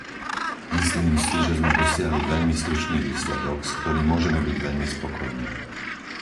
Myslím si, že sme dosiahli veľmi slušný výsledok, s ktorým môžeme byť veľmi spokojní.